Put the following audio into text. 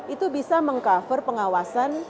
itu bisa meng cover pengawasan